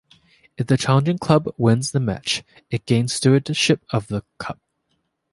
If the challenging club wins the match, it gains stewardship of the cup.